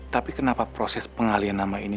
tapi kenapa proses pengalian nama ini